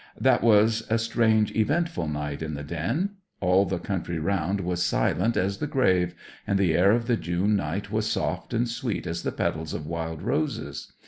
That was a strange, eventful night in the den. All the country round was silent as the grave, and the air of the June night was soft and sweet as the petals of wild roses.